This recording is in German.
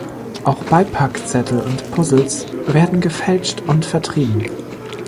Auch Beipackzettel und Puzzles werden gefälscht und vertrieben.